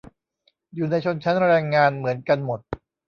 อยู่ในชนชั้นแรงงานเหมือนกันหมด